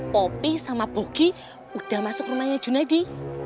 popi sama pogi udah masuk rumahnya junadi